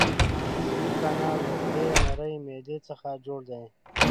هضمي کانال له خولې، مرۍ، معدې څخه جوړ دی.